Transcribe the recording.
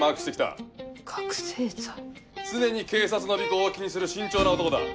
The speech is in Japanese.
常に警察の尾行を気にする慎重な男だ。